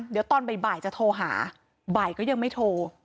เดี๋ยวตอนบ่ายจะโทรหาบ่ายก็ยังไม่โทร